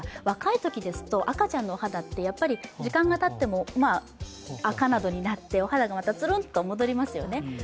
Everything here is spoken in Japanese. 若いときですと、赤ちゃんのお肌って時間がたっても、あかなどになってお肌がまたツルンと戻りますよね。